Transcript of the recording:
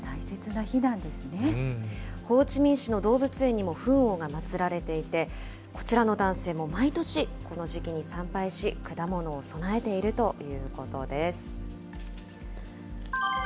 ホーチミン市の動物園にもフン王が祭られていて、こちらの男性も毎年、この時期に参拝し、果物を供えているということです。